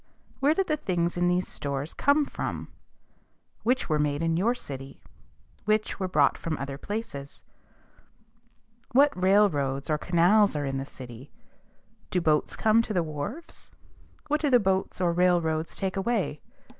Where did the things in these stores come from? Which were made in your city? Which were brought from other places? What railroads or canals are in the city? Do boats come to the wharves? What do the boats or railroads take away?